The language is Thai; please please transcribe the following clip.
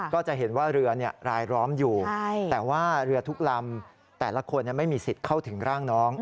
ก็จะเห็นว่าเรือรายล้อมอยู่แต่ว่าเรือทุกลำแต่ละคนไม่มีสิทธิ์เข้าถึงร่างน้อง